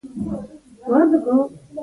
تېروتنې هم د زده کړې سرچینه دي.